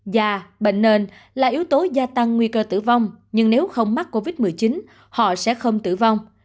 và bệnh nền là yếu tố gia tăng nguy cơ tử vong nhưng nếu không mắc covid một mươi chín họ sẽ không tử vong